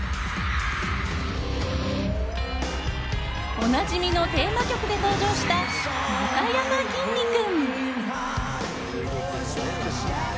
おなじみのテーマ曲で登場したなかやまきんに君。